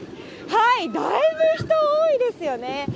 だいぶ人多いですよね。